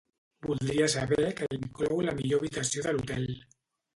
Voldria saber que inclou la millor habitació de l'hotel.